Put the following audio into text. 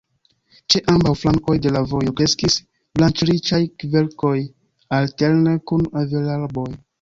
Ĉe ambaŭ flankoj de la vojo kreskis branĉriĉaj kverkoj alterne kun avelarboj.